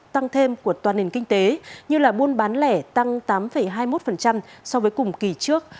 tăng thêm của toàn nền kinh tế như buôn bán lẻ tăng tám hai mươi một so với cùng kỳ trước